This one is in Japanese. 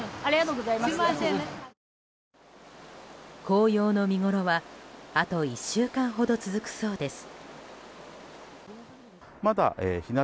紅葉の見ごろはあと１週間ほど続くそうです。